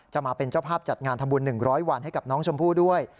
มาเป็นเจ้าภาพจัดงานทำบุญ๑๐๐วันให้กับน้องชมพู่ด้วย